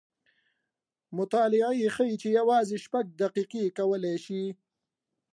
مطالعې ښیې چې یوازې شپږ دقیقې کولی شي